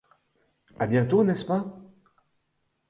À bientôt, n'est-ce pas ?